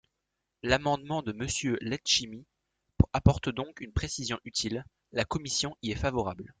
L’amendement de Monsieur Letchimy apporte donc une précision utile : la commission y est favorable.